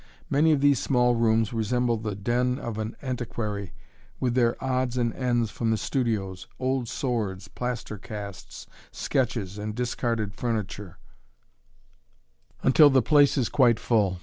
Many of these small rooms resemble the den of an antiquary with their odds and ends from the studios old swords, plaster casts, sketches and discarded furniture until the place is quite full.